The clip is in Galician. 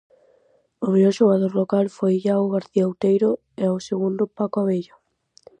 O mellor xogador local foi Iago García Outeiro e o segundo Paco Abella.